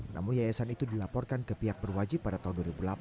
namun yayasan itu dilaporkan ke pihak berwajib pada tahun dua ribu delapan